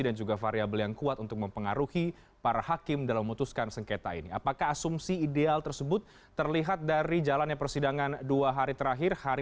dan juga variabel yang kuat untuk mempengaruhi menjelaskan dan menjelaskan tentang kesehatan kita